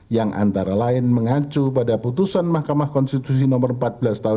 yang antara lain mengacu pada putusan mahkamah konstitusi no empat belas tahun dua ribu dua